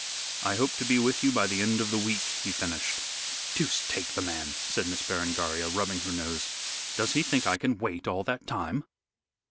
"I hope to be with you by the end of the week," he finished. "Deuce take the man," said Miss Berengaria, rubbing her nose. "Does he think I can wait all that time?"